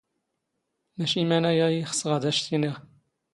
ⵎⴰⵛⵉ ⵎⴰⵏ ⴰⵢⴰ ⵉ ⵅⵙⵖ ⴰⴷ ⴰⵛ ⵜ ⵉⵏⵉⵖ.